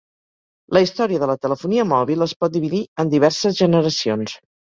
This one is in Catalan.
La història de la telefonia mòbil es pot dividir en diverses generacions.